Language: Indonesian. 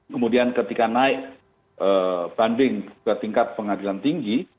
kemudian ketika naik banding ke tingkat pengadilan tinggi